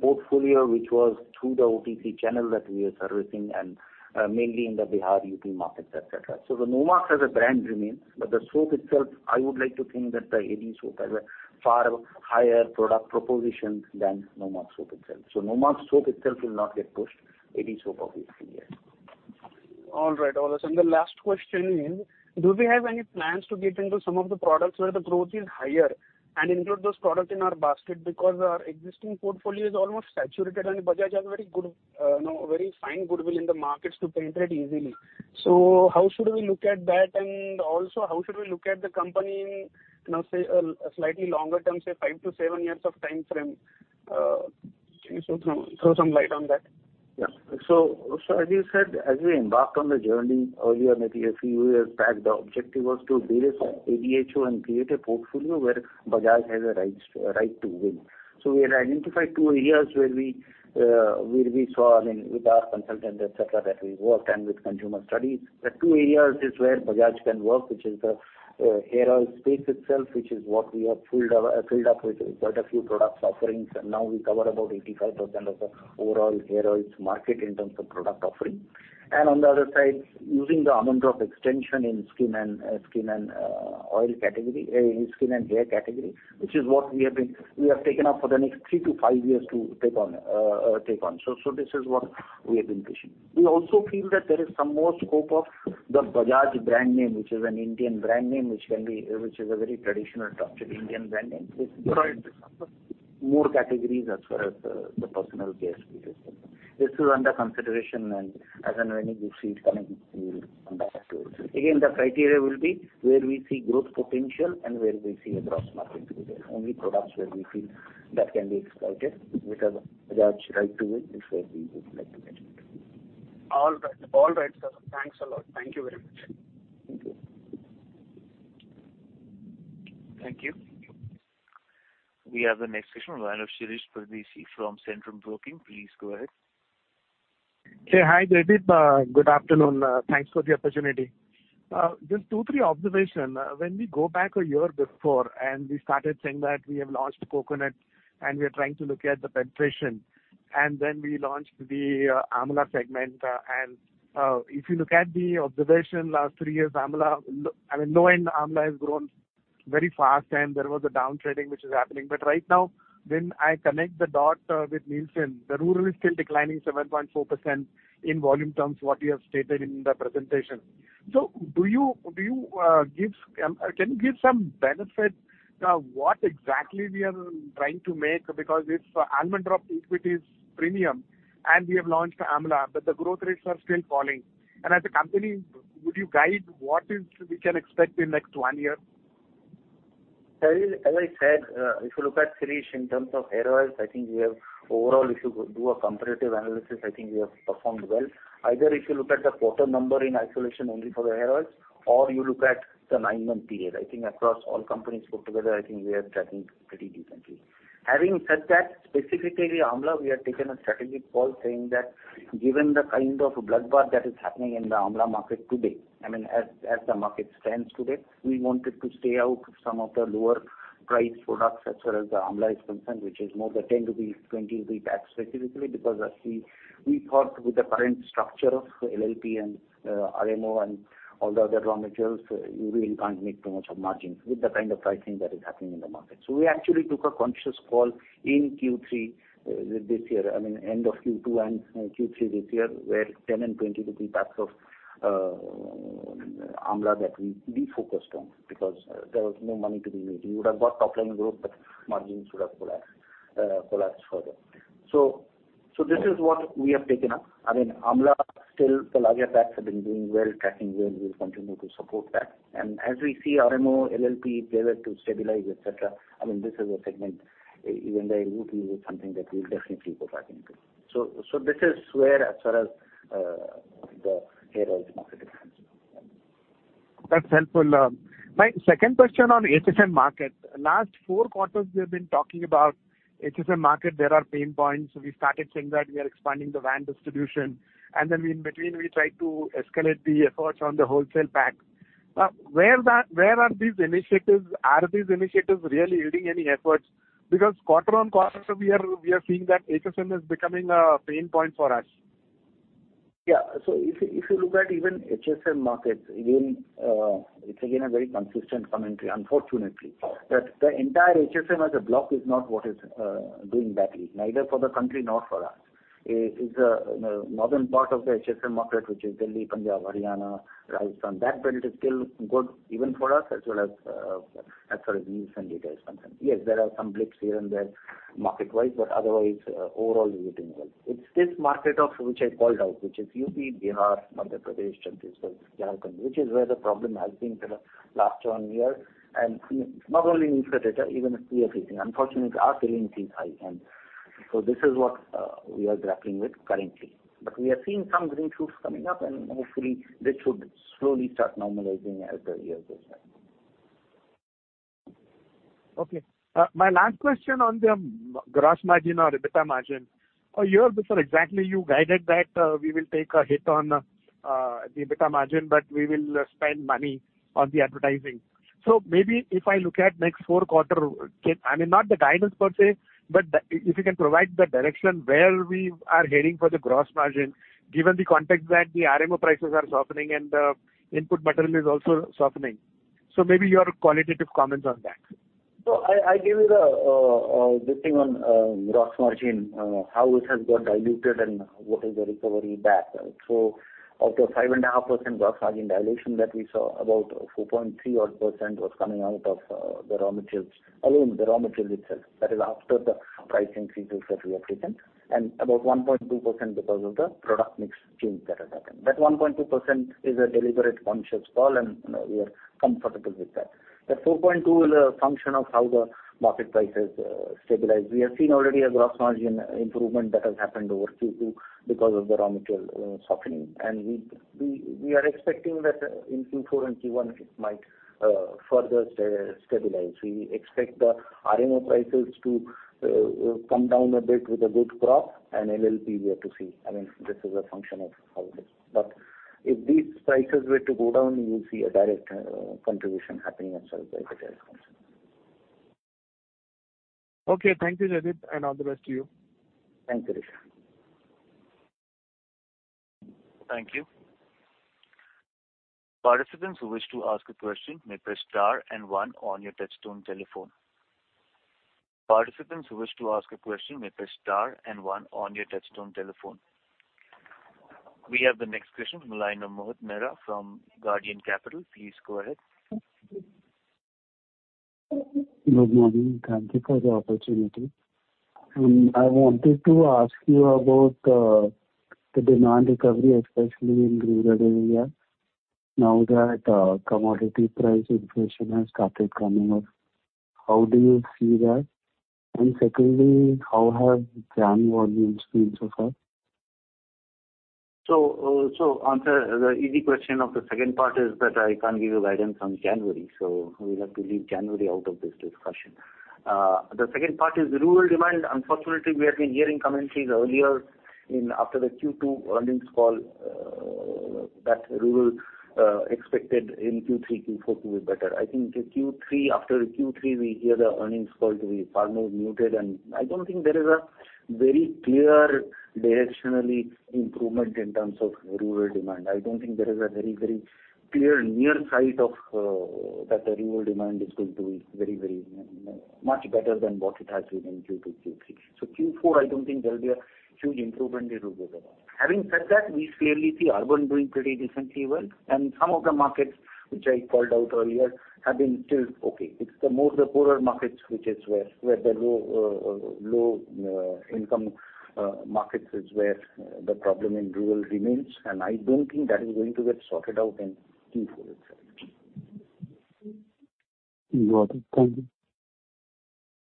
portfolio, which was through the OTC channel that we are servicing and mainly in the Bihar UP markets, et cetera. The Nomax as a brand remains, but the soap itself, I would like to think that the AD soap has a far higher product proposition than Nomax soap itself. Nomax soap itself will not get pushed. AD soap, obviously, yes. All right. All those. The last question is, do we have any plans to get into some of the products where the growth is higher and include those products in our basket? Our existing portfolio is almost saturated and Bajaj has very good, you know, very fine goodwill in the markets to penetrate easily. How should we look at that? Also, how should we look at the company in, you know, say, a slightly longer term, say five to seven years of time frame? Can you throw some light on that? As you said, as we embarked on the journey earlier, Nity, a few years back, the objective was to build ADHO and create a portfolio where Bajaj has a right to win. We had identified two areas where we saw, I mean, with our consultants, et cetera, that we worked and with consumer studies, the two areas is where Bajaj can work, which is the hair oil space itself, which is what we have filled up with quite a few product offerings. Now we cover about 85% of the overall hair oils market in terms of product offering. On the other side, using the Almond Drop extension in skin and hair category, which is what we have taken up for the next 3 to 5 years to take on. This is what we have been pushing. We also feel that there is some more scope of the Bajaj brand name, which is an Indian brand name, which can be, which is a very traditional trusted Indian brand name. Right. More categories as far as the personal care space is concerned. This is under consideration. As and when any good fit comes, we will come back to you. The criteria will be where we see growth potential and where we see a cross-market potential. Only products where we feel that can be exploited with a Bajaj right to win is where we would like to get into. All right. All right, sir. Thanks a lot. Thank you very much. Thank you. Thank you. We have the next question fromShirish Pardeshi from Centrum Broking. Please go ahead. Okay. Hi, Jaideep Nandi. Good afternoon. Thanks for the opportunity. Just 2, 3 observation. We go back a year before, and we started saying that we have launched Coconut and we are trying to look at the penetration, and then we launched the Amla segment. If you look at the observation last 3 years, Amla, I mean, knowing Amla has grown very fast and there was a downtrending which is happening. Right now, when I connect the dot with Nielsen, the rural is still declining 7.4% in volume terms, what you have stated in the presentation. Do you, can you give some benefit, what exactly we are trying to make? This Almond Drops equity is premium, and we have launched Amla, but the growth rates are still falling. As a company, would you guide what is we can expect in next 1 year? Shirish, as I said, if you look at Shirish in terms of hair oils, I think we have overall, if you do a comparative analysis, I think we have performed well. Either if you look at the quarter number in isolation only for the hair oils or you look at the 9-month period, I think across all companies put together, I think we are tracking pretty decently. Having said that, specifically Amla, we have taken a strategic call saying that given the kind of bloodbath that is happening in the Amla market today, I mean, as the market stands today, we wanted to stay out of some of the lower priced products as far as the Amla is concerned, which is more the 10 rupees, 20 rupees packs specifically, because as we thought with the current structure of LLP and RMO and all the other raw materials, you really can't make too much of margins with the kind of pricing that is happening in the market. We actually took a conscious call in Q3 this year, I mean, end of Q2 and Q3 this year, where 10 and 20 rupees packs of Amla that we defocused on because there was no money to be made. We would have got top line growth, but margins would have collapsed further. This is what we have taken up. I mean, Amla still, the larger packs have been doing well, tracking well, we'll continue to support that. As we see RMO, LLP, they were to stabilize, et cetera. I mean, this is a segment, even the root is something that we'll definitely go back into. This is where as far as the hair oils market is concerned. That's helpful. My second question on HSM market. Last 4 quarters, we have been talking about HSM market. There are pain points. We started saying that we are expanding the van distribution. Then in between, we tried to escalate the efforts on the wholesale pack. Where are these initiatives? Are these initiatives really yielding any efforts? Quarter on quarter, we are seeing that HSM is becoming a pain point for us. Yeah. If you look at even HSM markets, again, it's again a very consistent commentary, unfortunately. The entire HSM as a block is not what is doing badly, neither for the country nor for us. It is, you know, northern part of the HSM market, which is Delhi, Punjab, Haryana, Rajasthan, that bit is still good even for us as well as far as reach and details concerned. Yes, there are some blips here and there market-wise, but otherwise, overall it's good to me. It's this market of which I called out, which is UP, Bihar, Madhya Pradesh, Chhattisgarh, Jharkhand, which is where the problem has been for the last one year. It's not only you said it, even we are facing. Unfortunately, our feeling is high end. This is what we are grappling with currently. We are seeing some green shoots coming up, and hopefully this should slowly start normalizing as the year goes by. Okay. My last question on the gross margin or EBITDA margin. A year before exactly, you guided that we will take a hit on the EBITDA margin, but we will spend money on the advertising. Maybe if I look at next 4 quarters, not the guidance per se, but if you can provide the direction where we are heading for the gross margin, given the context that the RMO prices are softening and the input material is also softening. Maybe your qualitative comments on that. I gave you the thing on gross margin, how it has got diluted and what is the recovery back. Out of 5.5% gross margin dilution that we saw, about 4.3% odd was coming out of the raw materials. Again, the raw material itself, that is after the pricing freezes that we have taken, and about 1.2% because of the product mix change that has happened. That 1.2% is a deliberate conscious call and, you know, we are comfortable with that. The 4.2% is a function of how the market price has stabilized. We have seen already a gross margin improvement that has happened over Q2 because of the raw material softening. We are expecting that in Q4 and Q1 it might further stabilize. We expect the RMO prices to come down a bit with a good crop and NLP we have to see. I mean, this is a function of how it is. If these prices were to go down, you'll see a direct contribution happening as well by the trade function. Okay. Thank you, Jaideep, and all the best to you. Thanks, Shirish. Thank you. Participants who wish to ask a question may press star 1 on your touchtone telephone. Participants who wish to ask a question may press star 1 on your touchtone telephone. We have the next question on the line of Mohit Mehra from Guardian Capital. Please go ahead. Good morning. Thank you for the opportunity. I wanted to ask you about the demand recovery, especially in rural area. Now that commodity price inflation has started coming up, how do you see that? secondly, how have Jan volumes been so far? On the easy question of the second part is that I can't give you guidance on January, so we'll have to leave January out of this discussion. The second part is rural demand. Unfortunately, we have been hearing commentaries earlier in after the Q2 earnings call, that rural expected in Q3, Q4 to be better. I think the Q3, after Q3 we hear the earnings call to be far more muted, and I don't think there is a very clear directionally improvement in terms of rural demand. I don't think there is a very, very clear near sight of that the rural demand is going to be very, very much better than what it has been in Q2, Q3. Q4, I don't think there'll be a huge improvement in rural demand. Having said that, we clearly see urban doing pretty decently well, and some of the markets which I called out earlier have been still okay. It's the more the poorer markets which is where the low income markets is where the problem in rural remains. I don't think that is going to get sorted out in Q4 itself. Got it.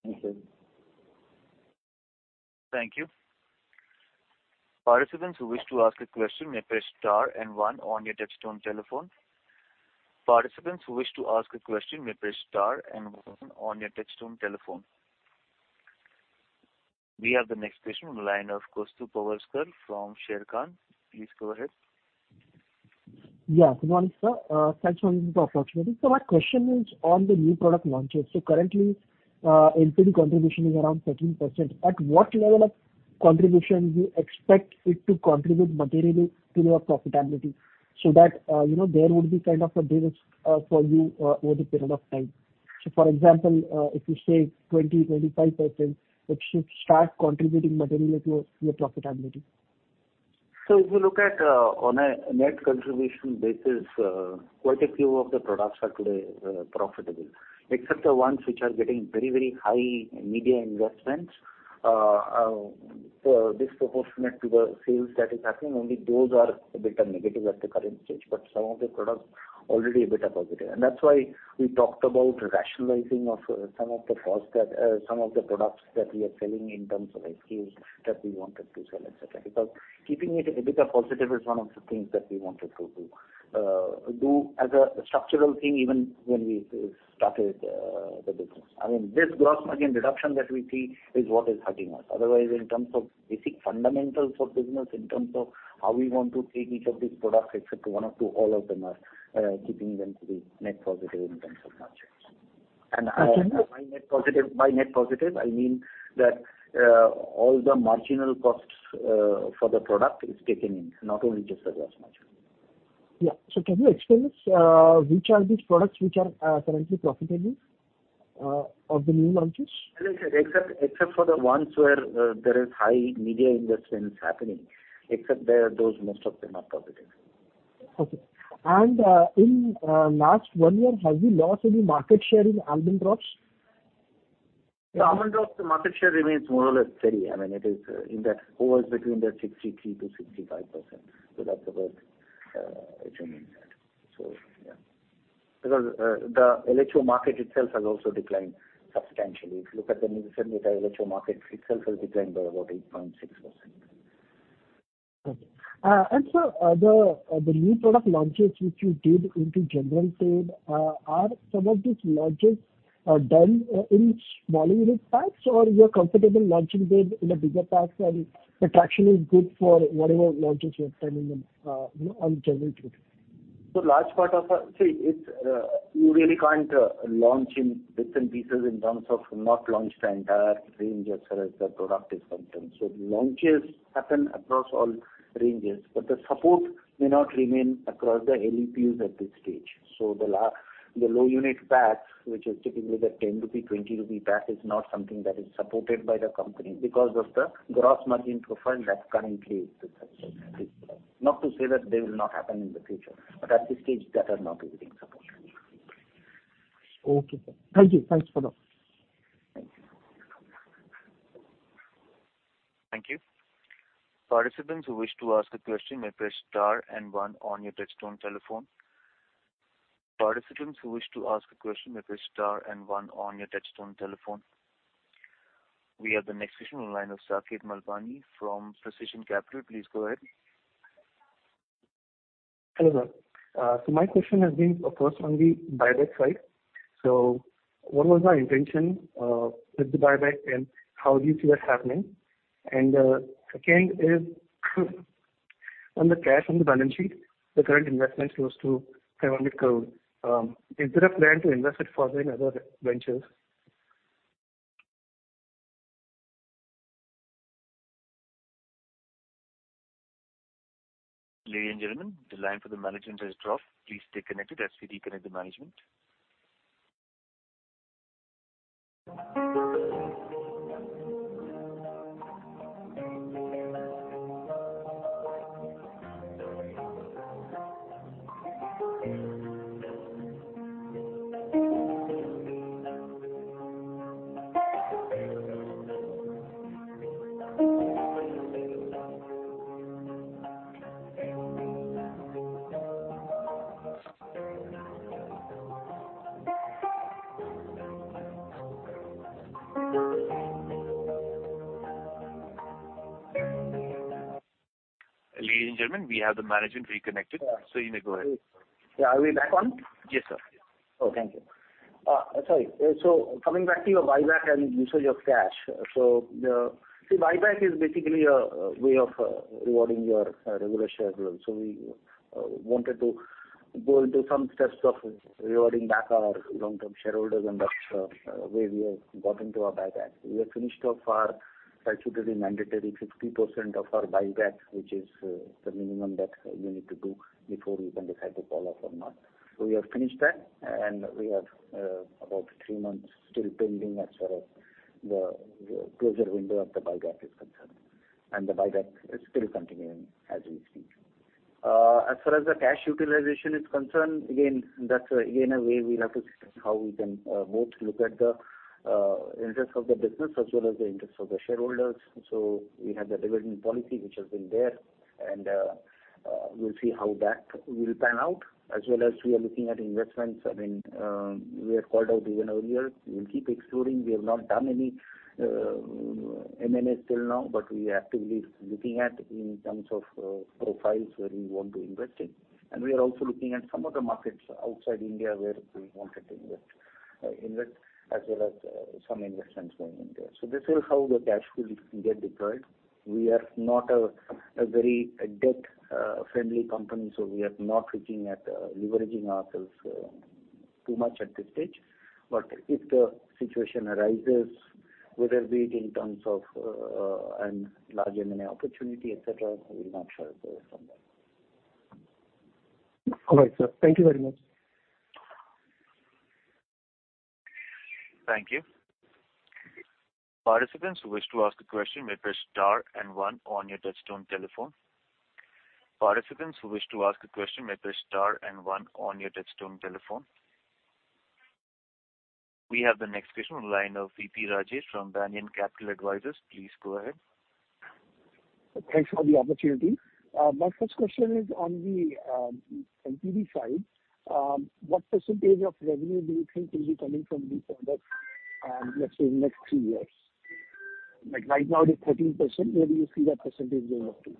Thank you. Thank you. Thank you. Participants who wish to ask a question may press star and one on your touchtone telephone. Participants who wish to ask a question may press star and one on your touchtone telephone. We have the next question on the line of Kaustubh Pawaskar from Sharekhan. Please go ahead. Yeah. Good morning, sir. Thanks for giving the opportunity. My question is on the new product launches. Currently, NPV contribution is around 13%. At what level of contribution do you expect it to contribute materially to your profitability so that, you know, there would be kind of a basis for you over the period of time? For example, if you say 20%-25%, it should start contributing materially to your profitability. If you look at on a net contribution basis, quite a few of the products are today profitable. Except the ones which are getting very, very high media investments, disproportionate to the sales that is happening, only those are a bit of negative at the current stage. Some of the products already a bit of positive. That's why we talked about rationalizing of some of the products that we are selling in terms of SKUs that we wanted to sell, et cetera. Keeping it a bit of positive is one of the things that we wanted to do as a structural thing even when we started the business. I mean, this gross margin reduction that we see is what is hurting us. Otherwise, in terms of basic fundamentals of business, in terms of how we want to treat each of these products except one or two, all of them are keeping them to be net positive in terms of margins. Okay. By net positive, I mean that, all the marginal costs for the product is taken in, not only just the gross margin. Yeah. Can you explain us which are these products which are currently profitable of the new launches? Except for the ones where there is high media investments happening, except there, those most of them are profitable. Okay. In, last one year, have you lost any market share in Almond Drops? The Almond Drops market share remains more or less steady. I mean, it is, in that, hovers between the 63%-65%. That's about. Yeah. The LHO market itself has also declined substantially. If you look at the recent LHO market, it itself has declined by about 8.6%. Okay. The new product launches which you did into General Trade, are some of these launches, done, in small unit packs, or you're comfortable launching them in the bigger packs and the traction is good for whatever launches you're planning on General Trade? large part of that. See, it's, you really can't launch in bits and pieces in terms of not launch the entire range as far as the product is concerned. The launches happen across all ranges, but the support may not remain across the LEPs at this stage. The low unit packs, which is typically the 10 rupee, 20 rupee pack, is not something that is supported by the company because of the gross margin profile that currently is the case at this point. Not to say that they will not happen in the future, but at this stage, that are not being supported. Okay. Thank you. Thanks for that. Thank you. Thank you. Participants who wish to ask a question may press star and one on your touchtone telephone. Participants who wish to ask a question, may press star and one on your touchtone telephone. We have the next question on the line of Saket Malpani from Precision Capital. Please go ahead. Hello. My question has been, of course, on the buyback side. What was our intention with the buyback and how do you see that happening? Second is on the cash on the balance sheet, the current investment close to 700 crore. Is there a plan to invest it further in other ventures? Ladies and gentlemen, the line for the management has dropped. Please stay connected as we reconnect the management. Ladies and gentlemen, we have the management reconnected. You may go ahead. Yeah, are we back on? Yes, sir. Thank you. Sorry. Coming back to your buyback and usage of cash. See, buyback is basically a way of rewarding your regular shareholders. We wanted to go into some steps of rewarding back our long-term shareholders, and that's where we have got into our buyback. We have finished off our statutory mandatory 50% of our buyback, which is the minimum that you need to do before you can decide to call off or not. We have finished that, and we have about 3 months still pending as far as the closure window of the buyback is concerned. The buyback is still continuing as we speak. As far as the cash utilization is concerned, again, that's, again, a way we'll have to discuss how we can both look at the interest of the business as well as the interest of the shareholders. We have the dividend policy which has been there, and we'll see how that will pan out. As well as we are looking at investments. I mean, we have called out even earlier, we'll keep exploring. We have not done any M&A till now, but we are actively looking at in terms of profiles where we want to invest in. We are also looking at some of the markets outside India where we wanted to invest as well as some investments in India. This is how the cash will get deployed. We are not a very debt friendly company, so we are not looking at leveraging ourselves too much at this stage. If the situation arises, whether be it in terms of large M&A opportunity, et cetera, we're not sure of the outcome there. All right, sir. Thank you very much. Thank you. Participants who wish to ask a question may press star 1 on your touchtone telephone. We have the next question on the line of V.P. Rajesh from Banyan Capital Advisors. Please go ahead. Thanks for the opportunity. My first question is on the NPD side. What percentage of revenue do you think will be coming from these products, let's say in the next three years? Like right now it is 13%. Where do you see that percentage going up to?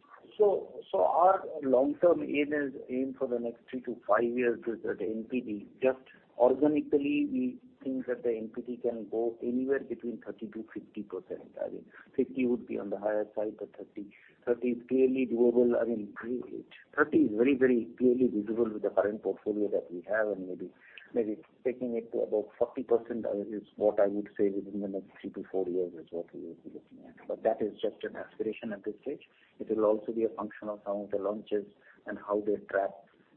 Our long-term aim for the next three to five years is that NPD, just organically, we think that the NPD can go anywhere between 30% to 50%. I mean, 50 would be on the higher side, 30 is clearly doable. I mean, 30 is very, very clearly visible with the current portfolio that we have and taking it to about 40% is what I would say within the next three to four years is what we will be looking at. That is just an aspiration at this stage. It will also be a function of some of the launches and how they track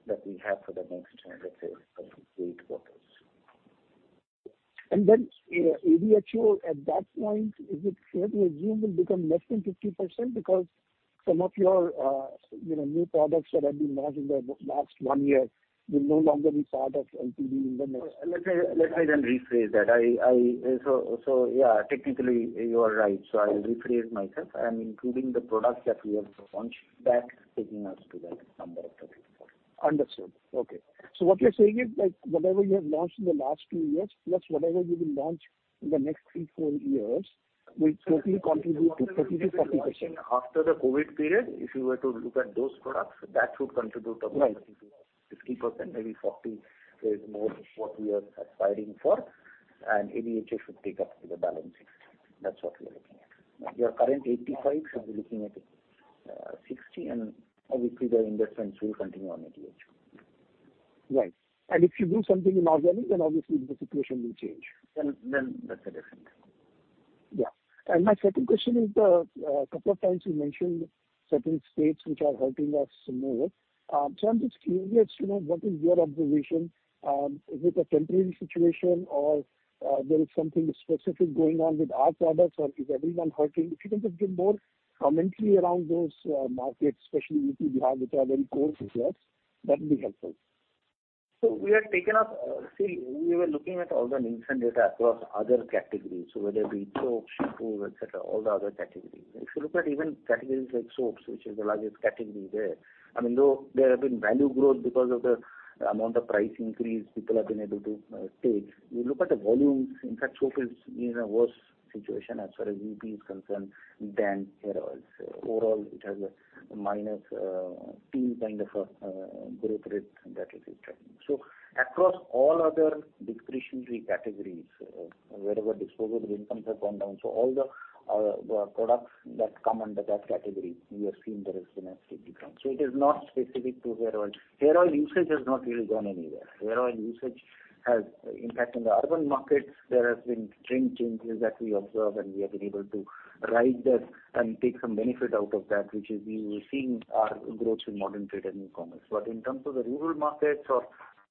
that we have for the next, let's say, eight quarters. ADHO at that point, is it fair to assume will become less than 50% because some of your, you know, new products that have been launched in the last 1 year will no longer be part of NPD? Let me then rephrase that. Yeah, technically you are right, so I'll rephrase myself. I'm including the products that we have launched back, taking us to that number of 34. Understood. Okay. What you're saying is, like, whatever you have launched in the last two years, plus whatever you will launch in the next three, four years, will totally contribute to 30%-40%. After the COVID period, if you were to look at those products, that should contribute approximately 50%, maybe 40% is more what we are aspiring for, and ADHO should take up the balance 60%. That's what we are looking at. Your current 85%, should be looking at, 60%, and obviously the investments will continue on ADHO. Right. If you do something in organic, then obviously the situation will change. that's a different thing. Yeah. My second question is, a couple of times you mentioned certain states which are hurting us more. I'm just curious to know what is your observation. Is it a temporary situation or, there is something specific going on with our products or is everyone hurting? You can just give more commentary around those markets, especially UP, Bihar, which are very core to us, that'd be helpful. We were looking at all the Nielsen data across other categories, so whether it be soap, shampoo, et cetera, all the other categories. If you look at even categories like soaps, which is the largest category there, I mean, though there have been value growth because of the amount of price increase people have been able to take. If you look at the volumes, in fact, soap is in a worse situation as far as UP is concerned than hair oils. Overall, it has a minus 2 kind of a growth rate that it is tracking. Across all other discretionary categories, wherever disposable incomes have gone down, all the products that come under that category, we have seen there has been a steep decline. It is not specific to hair oil. Hair oil usage has not really gone anywhere. Hair oil usage has In fact, in the urban markets, there has been trend changes that we observe, and we have been able to ride that and take some benefit out of that, which is we're seeing our growth in modern trade and e-commerce. In terms of the rural markets or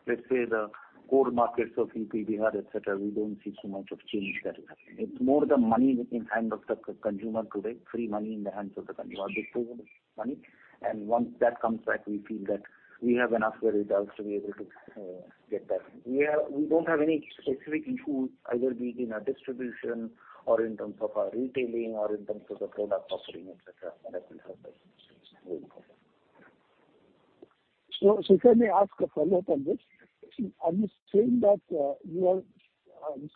let's say the core markets of UP, Bihar, et cetera, we don't see too much of change that is happening. It's more the money in hand of the consumer today, free money in the hands of the consumer, disposable money. Once that comes back, we feel that we have enough results to be able to get that. We don't have any specific issues, either be it in our distribution or in terms of our retailing or in terms of the product offering, et cetera, that has been hurting us very much. Can I ask a follow-up on this? Are you saying that you are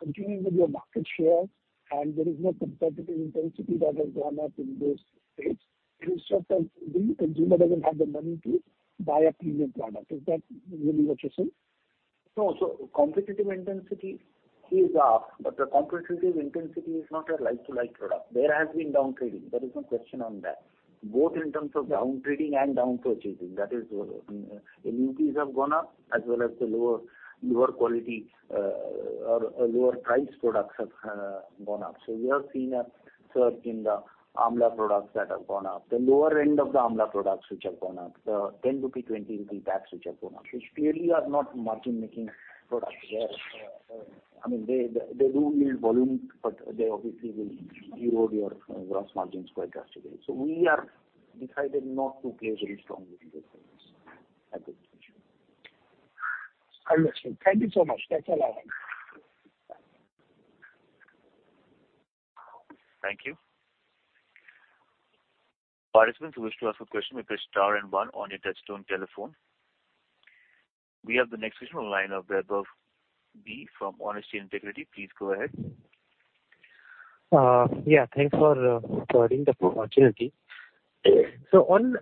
continuing with your market share and there is no competitive intensity that has gone up in those states? Instead, the consumer doesn't have the money to buy a premium product. Is that really what you're saying? No. Competitive intensity is up, but the competitive intensity is not a like-to-like product. There has been down trading. There is no question on that. Both in terms of down trading and down purchasing. That is, ADHOs have gone up as well as the lower quality or lower priced products have gone up. We have seen a surge in the Amla products that have gone up. The lower end of the Amla products which have gone up, the 10 rupee, 20 rupee packs which have gone up, which clearly are not margin-making products. They're, I mean, they do yield volume, but they obviously will erode your gross margins quite drastically. We are decided not to play very strongly in those segments at this stage. I understand. Thank you so much. That's all I have. Thank you. Participants who wish to ask a question may press star and one on your touchtone telephone. We have the next question on the line of Vaibhav B from Honesty and Integrity. Please go ahead. Yeah, thanks for providing the opportunity. On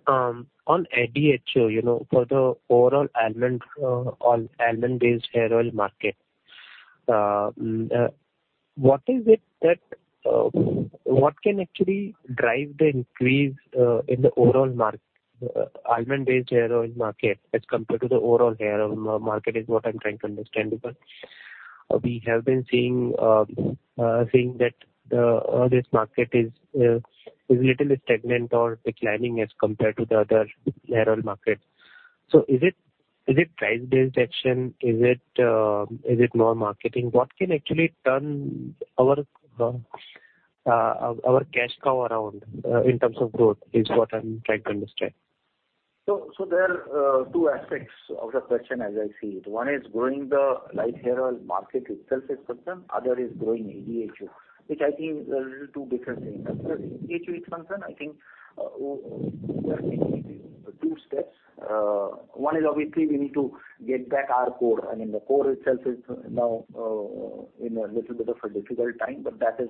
ADHO, you know, for the overall Almond Drops hair oil market, what is it that what can actually drive the increase in the overall market, Almond Drops hair oil market as compared to the overall hair oil market, is what I'm trying to understand. We have been seeing that this market is little stagnant or declining as compared to the other hair oil markets. Is it, is it price-based action? Is it, is it more marketing? What can actually turn our cash cow around in terms of growth, is what I'm trying to understand. There are two aspects of the question as I see it. One is growing the Light Hair Oil market itself is concern. Other is growing ADHO, which I think are two different things. As far as ADHO is concerned, I think, we are taking it in two steps. One is obviously we need to get back our core. I mean, the core itself is now in a little bit of a difficult time, but that is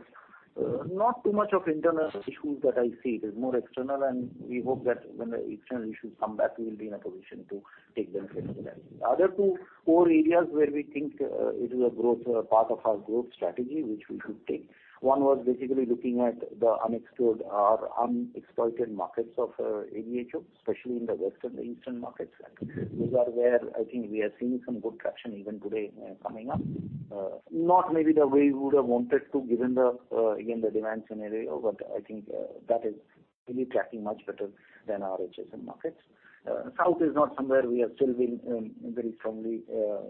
not too much of internal issues that I see. It is more external, and we hope that when the external issues come back, we will be in a position to take them head on. The other two core areas where we think, it is a growth part of our growth strategy, which we should take. One was basically looking at the unexplored or unexploited markets of ADHO, especially in the Western and Eastern markets. Those are where I think we are seeing some good traction even today, coming up. Not maybe the way we would have wanted to, given the again, the demand scenario, but I think that is really tracking much better than our HSM markets. South is not somewhere we have still been very firmly,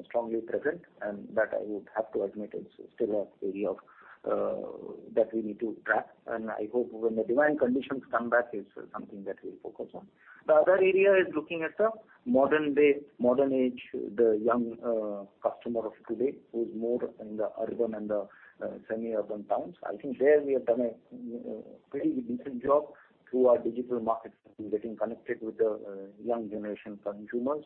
strongly present, and that I would have to admit is still an area of that we need to track, and I hope when the demand conditions come back, it's something that we'll focus on. The other area is looking at the modern day, modern age, the young customer of today who's more in the urban and the semi-urban towns. I think there we have done a pretty decent job through our digital marketing in getting connected with the young generation consumers.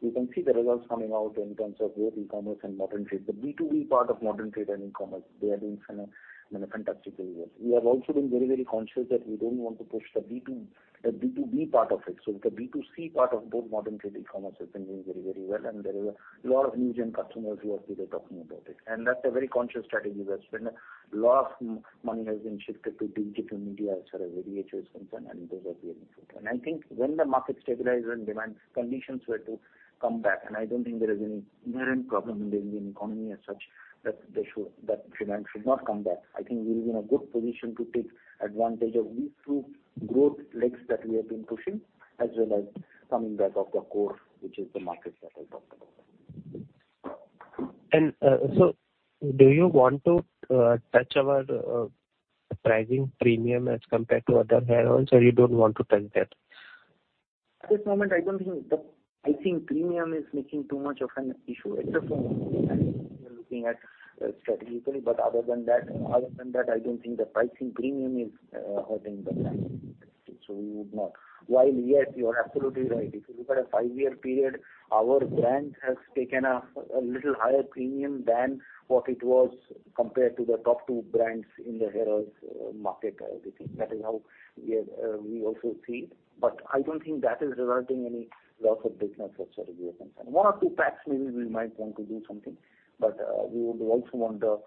We can see the results coming out in terms of both e-commerce and modern trade. The B2B part of modern trade and e-commerce, they are doing kind of, in a fantastic way. We have also been very, very conscious that we don't want to push the B2B part of it. The B2C part of both modern trade, e-commerce has been doing very, very well, and there is a lot of new-gen customers who are really talking about it. That's a very conscious strategy. A lot of money has been shifted to digital media as far as BHL is concerned, and those are bearing fruit. I think when the market stabilizes and demand conditions were to come back. I don't think there is any inherent problem in the Indian economy as such that demand should not come back. I think we're in a good position to take advantage of these two growth legs that we have been pushing, as well as coming back of the core, which is the markets that I talked about. Do you want to touch our pricing premium as compared to other hair oils, or you don't want to touch that? At this moment, I think premium is making too much of an issue. It's a small brand we are looking at strategically. Other than that, other than that, I don't think the pricing premium is hurting the brand. We would not. While, yes, you are absolutely right. If you look at a five-year period, our brand has taken a little higher premium than what it was compared to the top two brands in the hair oils market, we think. That is how we are, we also see it. I don't think that is resulting any loss of business as far as we are concerned. One or two packs maybe we might want to do something, but we would also want the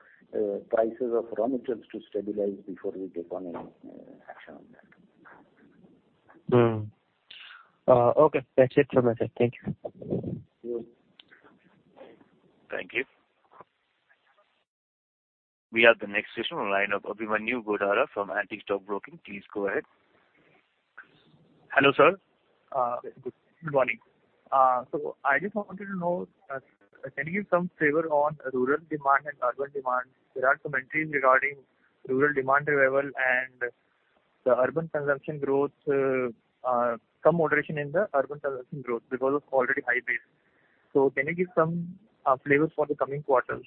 prices of raw materials to stabilize before we take on any action on that. That's it from my side. Thank you. Sure. Thank you. We have the next question on the line of Abhimanyu Godara from Antique Stock Broking. Please go ahead. Hello, sir. Good morning. I just wanted to know, can you give some flavor on rural demand and urban demand? There are commentaries regarding rural demand revival and the urban consumption growth, some moderation in the urban consumption growth because of already high base. Can you give some flavors for the coming quarters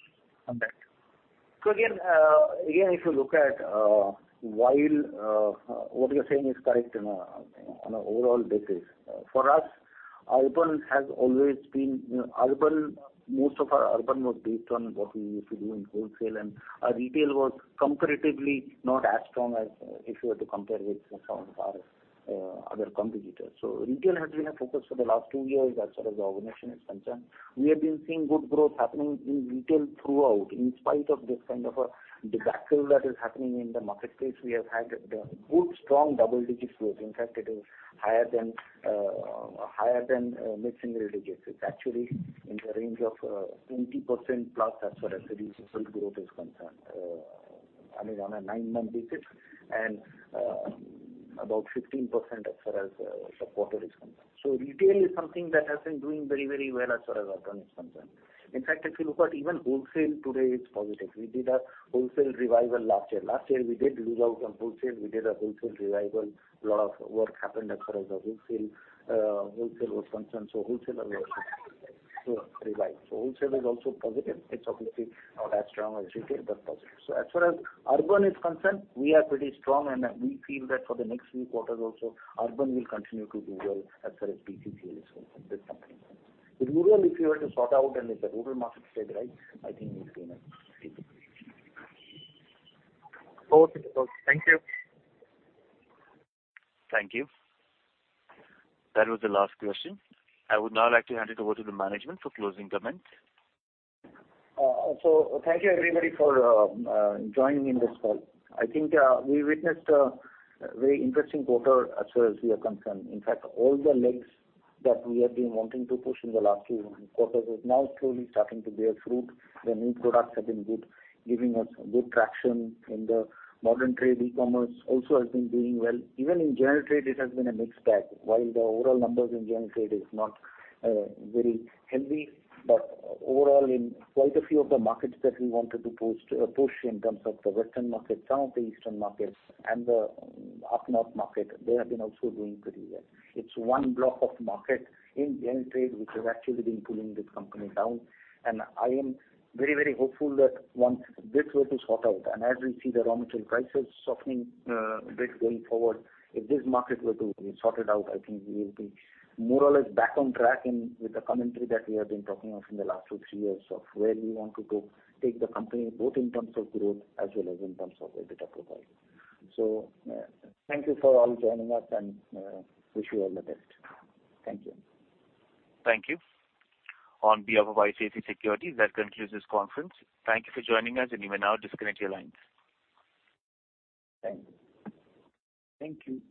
on that? Again, if you look at, while, what you're saying is correct on a, on an overall basis. For us, Urban, most of our urban was based on what we used to do in wholesale, and our retail was comparatively not as strong as, if you were to compare with some of our other competitors. Retail has been a focus for the last two years as far as the organization is concerned. We have been seeing good growth happening in retail throughout. In spite of this kind of a debacle that is happening in the marketplace, we have had good, strong double-digit growth. In fact, it is higher than mid-single digits. It's actually in the range of 20% plus as far as the retail growth is concerned, I mean, on a nine-month basis, and about 15% as far as the quarter is concerned. Retail is something that has been doing very, very well as far as urban is concerned. In fact, if you look at even wholesale today is positive. We did a wholesale revival last year. Last year we did lose out on wholesale. We did a wholesale revival. A lot of work happened as far as the wholesale was concerned, wholesale also revised. Wholesale is also positive. It's obviously not as strong as retail, but positive. As far as urban is concerned, we are pretty strong, and we feel that for the next few quarters also, urban will continue to do well as far as BCCL is concerned, this company. The rural, if you were to sort out and if the rural markets stabilize, I think we've been stable. Okay. Thank you. Thank you. That was the last question. I would now like to hand it over to the management for closing comments. Thank you, everybody, for joining in this call. I think, we witnessed a very interesting quarter as far as we are concerned. In fact, all the legs that we have been wanting to push in the last 2 quarters is now slowly starting to bear fruit. The new products have been good, giving us good traction in the Modern Trade. E-commerce also has been doing well. Even in General Trade, it has been a mixed bag. While the overall numbers in General Trade is not very healthy. Overall, in quite a few of the markets that we wanted to push in terms of the Western market, some of the Eastern markets and the up-north market, they have been also doing pretty well. It's one block of market in General Trade which has actually been pulling this company down. I am very, very hopeful that once this were to sort out, and as we see the raw material prices softening, a bit going forward, if this market were to be sorted out, I think we will be more or less back on track with the commentary that we have been talking of in the last two, three years of where we wanted to take the company, both in terms of growth as well as in terms of a better profile. Thank you for all joining us, and, wish you all the best. Thank you. Thank you. On behalf of ICICI Securities, that concludes this conference. Thank you for joining us, and you may now disconnect your lines. Thank you. Thank you.